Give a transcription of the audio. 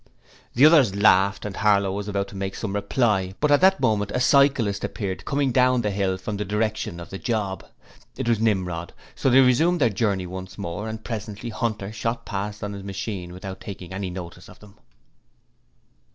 The others laughed, and Harlow was about to make some reply but at that moment a cyclist appeared coming down the hill from the direction of the job. It was Nimrod, so they resumed their journey once more and presently Hunter shot past on his machine without taking any notice of them...